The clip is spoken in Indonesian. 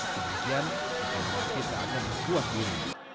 sebuah tempat ini bahkan